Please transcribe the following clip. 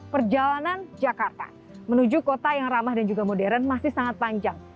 perjalanan jakarta menuju kota yang ramah dan juga modern masih sangat panjang